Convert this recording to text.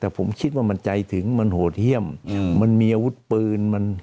แต่ผมคิดว่ามันใจถึงมันโหดเยี่ยมมันมีอาวุธปืนมัน